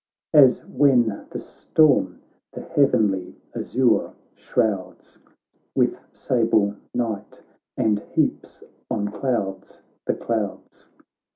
As when the storm the heavenly azure shrouds With sable night, and heaps on clouds the clouds.